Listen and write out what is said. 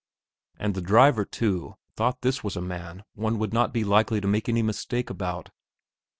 And the driver, too, thought this was a man one would not be likely to make any mistake about.